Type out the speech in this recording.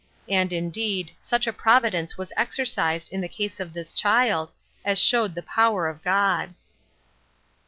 And, indeed, such a providence was exercised in the case of this child, as showed the power of God.